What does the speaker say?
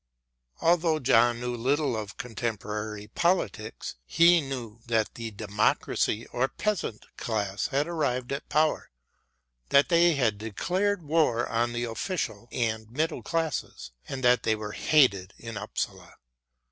Although John knew little of contemporary politics, he knew that the democracy or peasant class had arrived at power, that they had declared war on the official and middle classes, and that they were hated in Upsala.